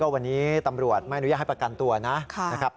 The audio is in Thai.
วันนี้ตำรวจไม่หนัยให้ประกันตัวในชั้นสอบสวน